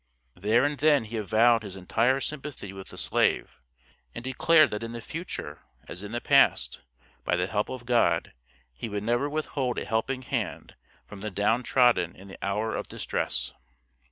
There and then he avowed his entire sympathy with the slave, and declared that in the future, as in the past, by the help of God, he would never withhold a helping hand from the down trodden in the hour of distress.